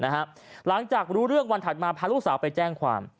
หลังจากรู้เรื่องวันถัดมาพาลูกสาวไปแจ้งความ